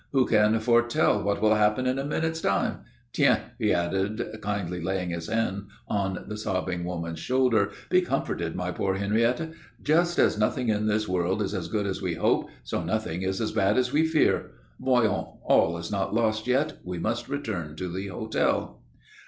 Who can foretell what will happen in a minute's time? Tiens!" he added, kindly laying his hand on the sobbing woman's shoulder. "Be comforted, my poor Henriette. Just as nothing in this world is as good as we hope, so nothing is as bad as we fear. Voyons! All is not lost yet. We must return to the hotel."